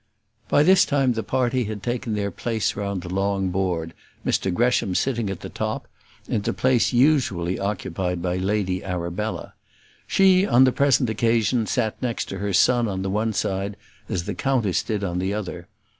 By this time the party had taken their place round the long board, Mr Gresham sitting at the top, in the place usually occupied by Lady Arabella. She, on the present occasion, sat next to her son on the one side, as the countess did on the other.